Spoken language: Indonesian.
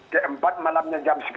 keempat malamnya jam sepuluh